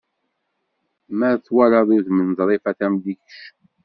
Mer twalaḍ udem n Ḍrifa Tamlikect.